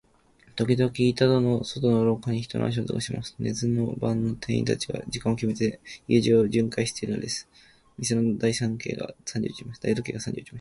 ときどき、板戸の外の廊下に、人の足音がします。寝ずの番の店員たちが、時間をきめて、家中を巡回じゅんかいしているのです。店の大時計が三時を打ちました。